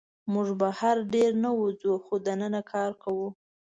موږ بهر ډېر نه وځو، خو دننه کار کوو.